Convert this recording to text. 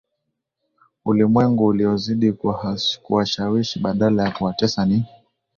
ulimwengu uliozidi kuwashawishi badala ya kuwatesa Ni